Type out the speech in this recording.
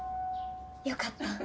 よかった。